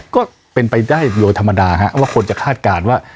ก็เป็นไปได้โดยธรรมดาว่าคนจะคาดการณ์ว่า